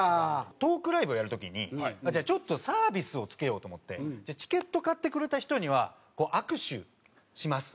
トークライブをやる時にじゃあちょっとサービスを付けようと思ってチケットを買ってくれた人には握手します